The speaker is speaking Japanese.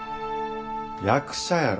役者やろ。